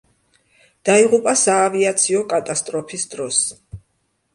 დაიღუპა საავიაციო კატასტროფის დროს.